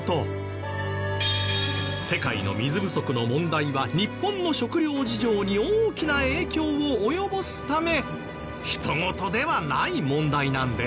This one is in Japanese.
世界の水不足の問題は日本の食料事情に大きな影響を及ぼすため人ごとではない問題なんです。